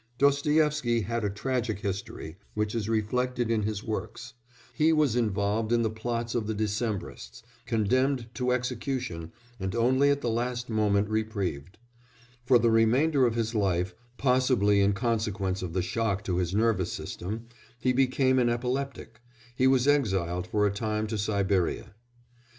Dostoïevsky had a tragic history which is reflected in his works; he was involved in the plots of the Decembrists, condemned to execution, and only at the last moment reprieved; for the remainder of his life, possibly in consequence of the shock to his nervous system, he became an epileptic; he was exiled for a time to Siberia.